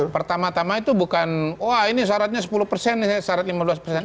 pertama tama itu bukan wah ini syaratnya sepuluh persen syarat lima belas persen